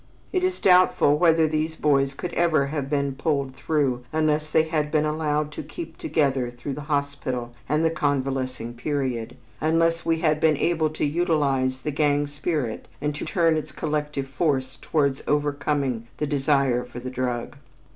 It is doubtful whether these boys could ever have been pulled through unless they had been allowed to keep together through the hospital and convalescing period, unless we had been able to utilize the gang spirit and to turn its collective force towards overcoming the desire for the drug.